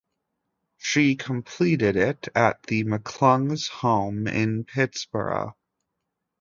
She completed it at the McClung's home in Pittsburgh.